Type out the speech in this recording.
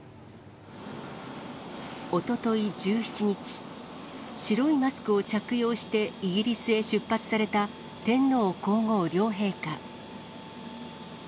おととい１７日、白いマスクを着用してイギリスへ出発された天皇皇后両陛下。